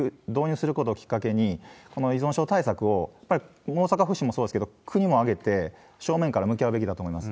このＩＲを導入することをきっかけに、この依存症対策をやっぱり大阪府市もそうですけど、国を挙げて正面から向き合うべきだと思います。